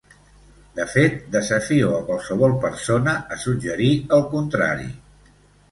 De fet, desafio a qualsevol persona a suggerir el contrari.